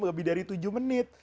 lebih dari tujuh menit